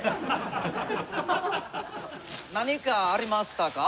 何かありましたか？